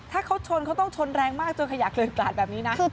ถ้าเขาชนเขาต้องชนแรงมากจนขยะเกลือนกลาดแบบนี้นะ